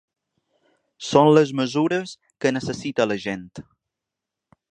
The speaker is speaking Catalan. Són les mesures que necessita la gent.